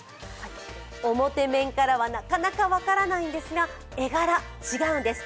おもて面からは、なかなか分からないんですが絵柄、違うんです。